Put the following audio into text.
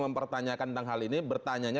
mempertanyakan tentang hal ini bertanya